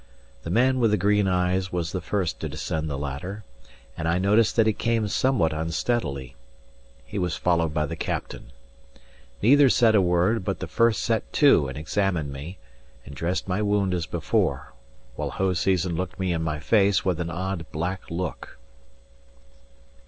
The man with the green eyes was the first to descend the ladder, and I noticed that he came somewhat unsteadily. He was followed by the captain. Neither said a word; but the first set to and examined me, and dressed my wound as before, while Hoseason looked me in my face with an odd, black look.